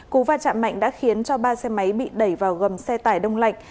cú va chạm mạnh đã khiến cho ba xe máy bị đẩy vào gầm xe tải đông lạnh